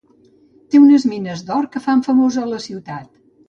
Té unes mines d'or que fan famosa a la ciutat.